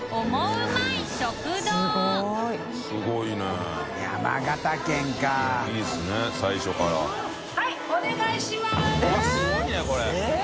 わっすごいねこれ。